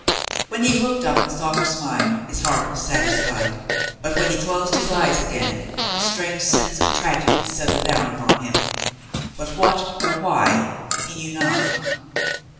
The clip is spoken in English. When he looked up and saw her smile, his heart was satis fied, but when he closed his eyes again, a strange sense of tragedy settled down upon him, but what or v/hy he knew not.